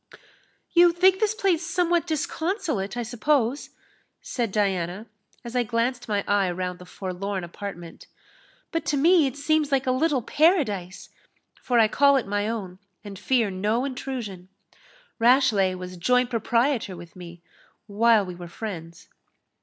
"You think this place somewhat disconsolate, I suppose?" said Diana, as I glanced my eye round the forlorn apartment; "but to me it seems like a little paradise, for I call it my own, and fear no intrusion. Rashleigh was joint proprietor with me, while we were friends."